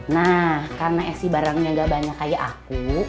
nah karena barangnya gak banyak kayak aku